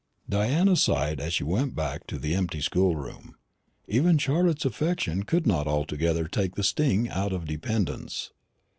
Diana sighed as she went back to the empty schoolroom. Even Charlotte's affection could not altogether take the sting out of dependence.